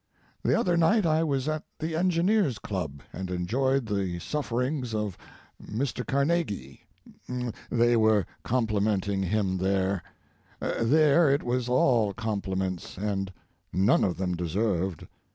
The other night I was at the Engineers' Club, and enjoyed the sufferings of Mr. Carnegie. They were complimenting him there; there it was all compliments, and none of them deserved.